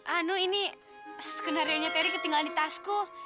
anu ini skenario nya terry ketinggalan di tasku